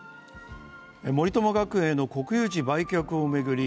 森友学園への国有地売却を巡り